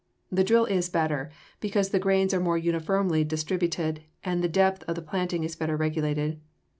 The drill is better, because the grains are more uniformly distributed and the depth of planting is better regulated.